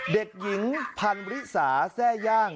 เด็กหญิงพันริสาแทร่ย่าง